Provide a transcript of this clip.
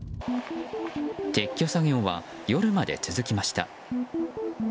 撤去作業は夜まで続きました。